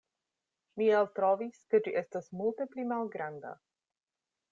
Mi eltrovis, ke ĝi estas multe pli malgranda.